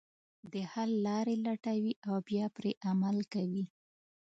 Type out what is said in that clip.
د حل لارې لټوي او بیا پرې عمل کوي.